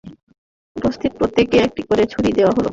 উপস্থিত প্রত্যেককে একটি করে ছুরি দেয়া হল।